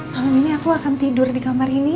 malam ini aku akan tidur di kamar ini